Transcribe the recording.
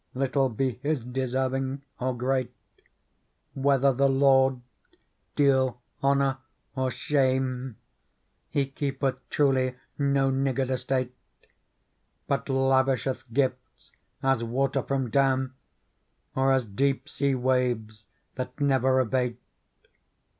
Little be his deserving or great. Whether the Lord deal honour or shame. He keepeth truly no niggard estate. But lavisheth gifts as water from dam. Or as deep sea waves that never abate.